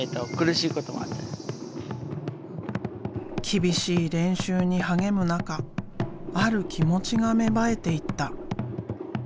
厳しい練習に励む中ある気持ちが芽生えていった。